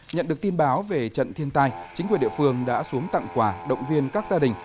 nhận được tin báo về trận thiên tai chính quyền địa phương đã xuống tặng quà động viên các gia đình